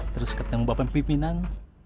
terus ketemu bapak pimpinan